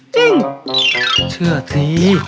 จริงเชื่อสิ